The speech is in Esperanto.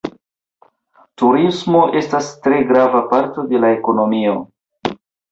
Turismo estas tre grava parto de la ekonomio.